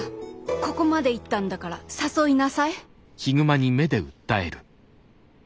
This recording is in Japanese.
ここまで言ったんだから誘いなさい。